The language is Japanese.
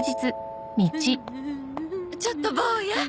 ちょっと坊や。